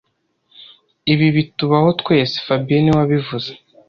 Ibi bitubaho twese fabien niwe wabivuze